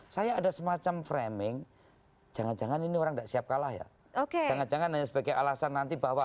saya ada semacam framing jangan jangan ini orang tidak siap kalah ya oke jangan jangan hanya sebagai alasan nanti bahwa